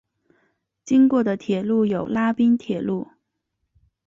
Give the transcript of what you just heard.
经过的铁路有拉滨铁路。